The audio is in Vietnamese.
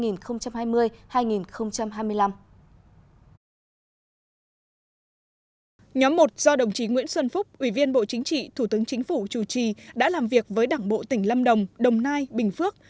nhóm một do đồng chí nguyễn xuân phúc ủy viên bộ chính trị thủ tướng chính phủ chủ trì đã làm việc với đảng bộ tỉnh lâm đồng đồng nai bình phước